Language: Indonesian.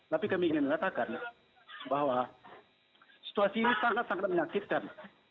tapi kami ingin mengatakan bahwa situasi ini sangat sangat menyakitkan